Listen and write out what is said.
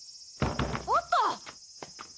あった！